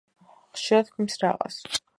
ხშირად ჰქმნის რაყას.